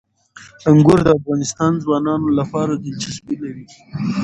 انګور د افغان ځوانانو لپاره دلچسپي لري.